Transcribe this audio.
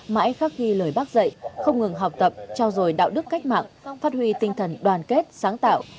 mãi khắc ghi lời bác dạy không ngừng học tập trao dồi đạo đức cách mạng phát huy tinh thần đoàn kết sáng tạo